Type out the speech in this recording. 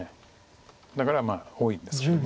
だから多いんですけど。